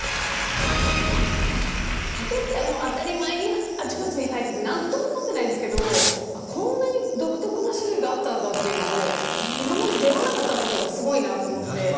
竹ってもう当たり前にあちこちに生えててなんとも思ってないですけどこんなに独特な種類があったんだっていうのを今まで出合わなかった事がすごいなと思って。